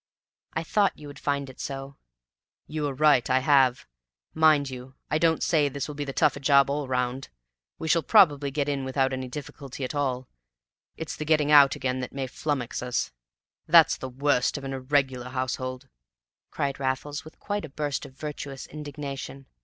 "I thought you would find it so." "You were right. I have. Mind you, I don't say this will be the tougher job all round; we shall probably get in without any difficulty at all; it's the getting out again that may flummox us. That's the worst of an irregular household!" cried Raffles, with quite a burst of virtuous indignation.